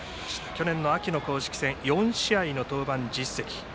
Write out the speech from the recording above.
去年秋の公式戦４試合の登板実績。